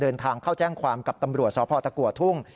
เดินทางเข้าแจ้งความกับตำรวจสพตะกัวทุ่ง